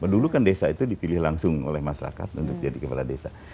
dulu kan desa itu dipilih langsung oleh masyarakat untuk jadi kepala desa